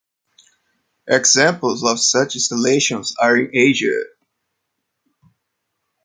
Examples of such installations are in Asia.